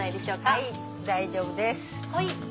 はい大丈夫です。